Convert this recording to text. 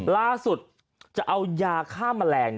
ล่าสุดจะเอายาฆ่าแมลง